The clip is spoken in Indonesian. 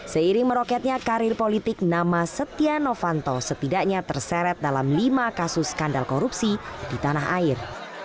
seiring meroketnya karir politik nama setia novanto setidaknya terseret dalam lima kasus skandal korupsi di tanah air